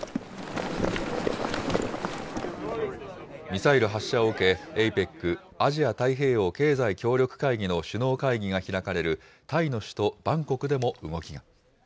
ミサイル発射を受け、ＡＰＥＣ・アジア太平洋経済協力会議の首脳会議が開かれるタイの首都バンコクでも動きが。